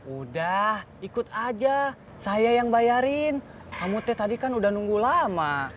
udah ikut aja saya yang bayarin kamu teh tadi kan udah nunggu lama